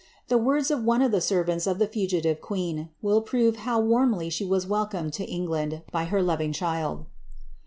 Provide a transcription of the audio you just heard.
The words of one of the servants' of the fugitive queen will prove how warmly she was wel comed to England by her loving child.